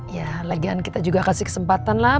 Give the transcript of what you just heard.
ya lagian kita juga kasih kesempatan lah